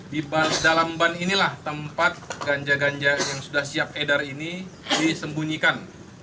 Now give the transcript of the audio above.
di dalam ban inilah tempat ganja ganja yang sudah siap edar ini disembunyikan